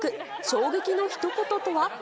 衝撃のひと言とは。